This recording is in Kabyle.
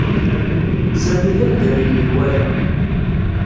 Sami d amdan n menwala.